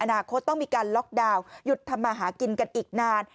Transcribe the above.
คตต้องมีการล็อกดาวน์หยุดทำมาหากินกันอีกนาน